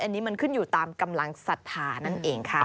อันนี้มันขึ้นอยู่ตามกำลังศรัทธานั่นเองค่ะ